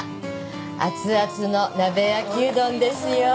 熱々の鍋焼きうどんですよ。